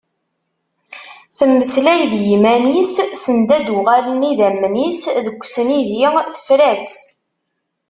Temmeslay d yimman-is send a d-uɣalen idammen-is deg usnidi, tefra-tt…